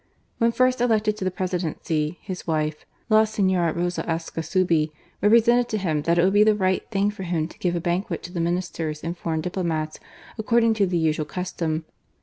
When first elected to the Presidency, his wife (La Senora Rosa Ascasubi) represented to him that it would be the right thing for him to give a banquet to the Ministers and foreign diplomats, according to the usual custom.